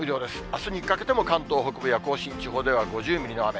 あすにかけても関東北部や甲信地方では５０ミリの雨。